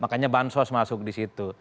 makanya bansos masuk di situ